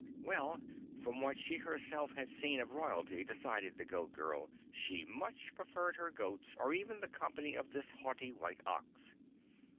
Well, from what she herself had seen of Royalty, decided the Goat Girl, she much preferred her goats or even the company of this haughty white Ox.